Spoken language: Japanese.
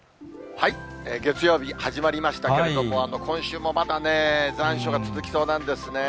月曜日、始まりましたけれども、今週もまだ残暑が続きそうなんですね。